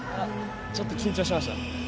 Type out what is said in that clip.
ちょっと緊張しました。